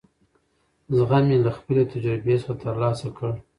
زغم مې له خپلې تجربې څخه ترلاسه کړ.